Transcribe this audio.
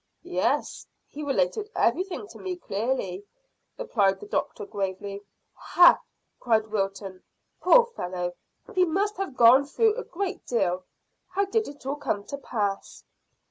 "Yes, he related everything to me, clearly," replied the doctor gravely. "Hah!" cried Wilton. "Poor fellow, he must have gone through a great deal. How did it all come to pass?"